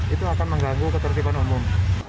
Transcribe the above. itu akan mengganggu ketertiban umum